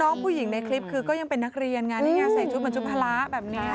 น้องผู้หญิงในคลิปคือก็ยังเป็นนักเรียนไงนี่ไงใส่ชุดเหมือนชุดภาระแบบนี้